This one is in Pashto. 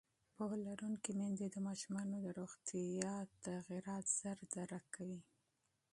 پوهه لرونکې میندې د ماشومانو د روغتیا بدلونونه ژر درک کوي.